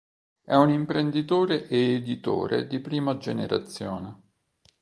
È un imprenditore e editore di prima generazione.